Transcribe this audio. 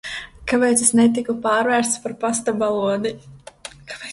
Kāpēc es netiku pārvērsts par pasta balodi?